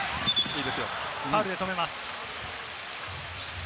ファウルで止めます。